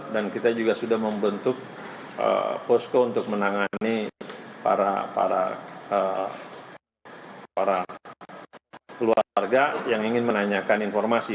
dan kita juga sudah membentuk posko untuk menangani para keluarga yang ingin menanyakan informasi